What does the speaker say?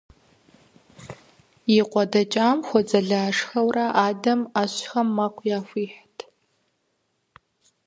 И къуэ дэкӏам хуэдзэлашхэурэ, адэм ӏэщхэм мэкъу яхуихьт.